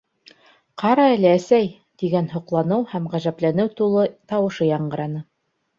Ҡара әле, әсәй! - тигән һоҡланыу һәм ғәжәпләнеү тулы тауышы яңғыраны.